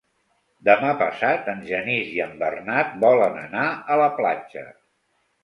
Demà passat en Genís i en Bernat volen anar a la platja.